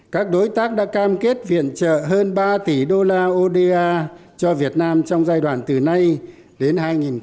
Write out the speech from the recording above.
các đối tác đã cam kết viện trợ hơn ba tỷ usd oda cho việt nam trong giai đoạn từ nay đến hai nghìn hai mươi